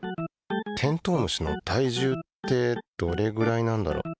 テントウムシの体重ってどれぐらいなんだろう？